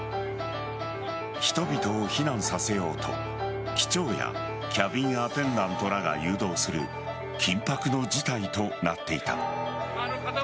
人々を避難させようと機長やキャビンアテンダントらが誘導する緊迫の事態となっていた。